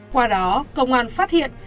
qua đó công an phát hiện